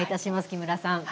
木村さん。